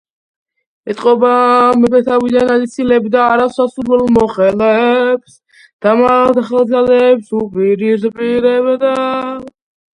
ეტყობა, მეფე თავიდან იცილებდა არასასურველ მოხელეებს და მათ ახალ ძალებს უპირისპირებდა.